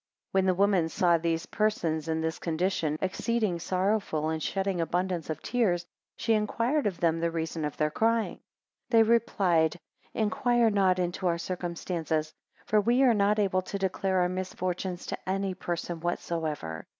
10 When the woman saw these persons in this condition, exceeding sorrowful, and shedding abundance of tears, she inquired of them the reason of their crying; 11 They replied, inquire not into our circumstances; for we are not able to declare our misfortunes to any, person, whatsoever.